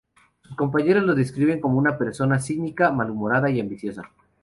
Sus compañeros lo describen como una persona cínica, malhumorada y ambiciosa.